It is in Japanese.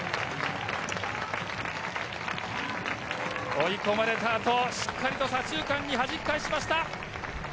追い込まれた後、しっかりと左中間にはじき返しました。